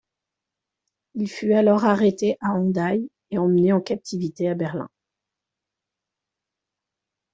Il fut alors arrêté à Hendaye et emmené en captivité à Berlin.